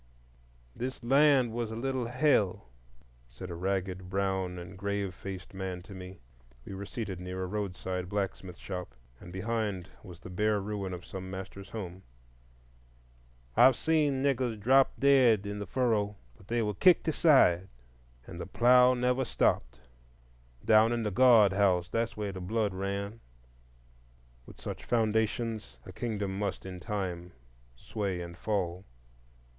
"This land was a little Hell," said a ragged, brown, and grave faced man to me. We were seated near a roadside blacksmith shop, and behind was the bare ruin of some master's home. "I've seen niggers drop dead in the furrow, but they were kicked aside, and the plough never stopped. Down in the guard house, there's where the blood ran." With such foundations a kingdom must in time sway and fall.